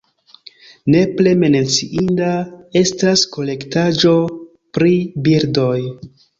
Nepre menciinda estas kolektaĵo pri birdoj.